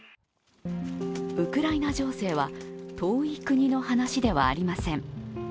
ウクライナ情勢は、遠い国の話ではありません。